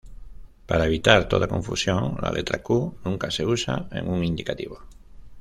Para evitar toda confusión, la letra Q nunca se usa en un indicativo.